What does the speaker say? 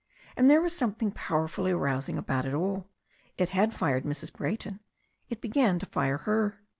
And there was something powerfully arousing about it all. It had fired Mrs. Brayton. It began to fire her.